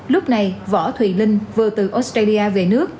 lúc này võ thùy linh vừa từ australia về nước